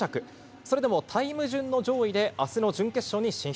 それでも、タイム順の上位で、あすの準決勝に進出。